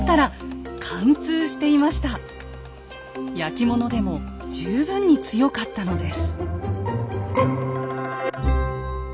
焼き物でも十分に強かったのです。